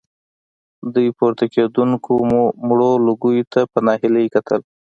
دوی پورته کېدونکو مړو لوګيو ته په ناهيلۍ کتل.